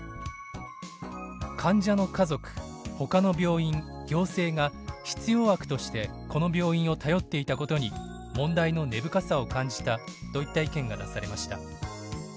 「患者の家族ほかの病院行政が必要悪としてこの病院を頼っていたことに問題の根深さを感じた」といった意見が出されました。